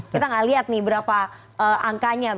kita nggak lihat nih berapa angkanya